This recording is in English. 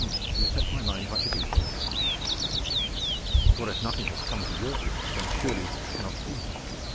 "You set my mind much at ease, Aymery," said the King; "for if nothing has come to your ears, then surely it cannot be.